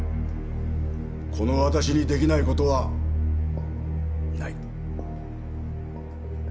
このわたしにできないことはない。